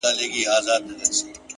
هر انسان د اغېز ځواک لري